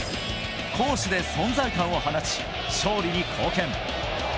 攻守で存在感を放ち、勝利に貢献。